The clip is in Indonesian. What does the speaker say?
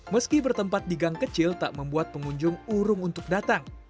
meski bertempat di gang kecil tak membuat pengunjung urung untuk datang